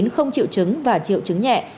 không triệu chứng và triệu chứng nhẹ